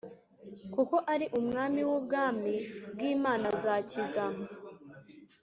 Kuko ari Umwami w Ubwami bw Imana azakiza